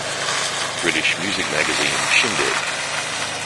British music magazine Shindig!